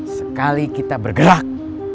sekali kita bergerak